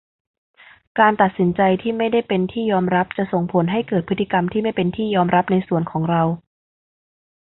การตัดสินใจที่ไม่ได้เป็นที่ยอมรับจะส่งผลให้เกิดพฤติกรรมที่ไม่เป็นที่ยอมรับในส่วนของเรา